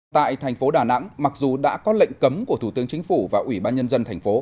tại thành phố đà nẵng mặc dù đã có lệnh cấm của thủ tướng chính phủ và ủy ban nhân dân thành phố